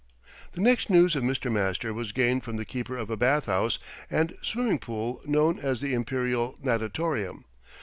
The next news of Mr. Master was gained from the keeper of a bath house and swimming pool known as the Imperial Natatorium.